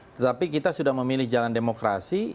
tetapi kita sudah memilih jalan demokrasi